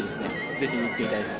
ぜひ見てみたいです。